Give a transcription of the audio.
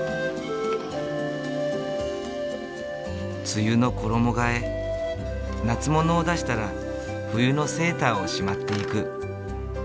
梅雨の衣がえ夏物を出したら冬のセーターをしまっていく。